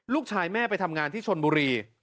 ลูกชายแม่ไปทำงานที่ชนบุรี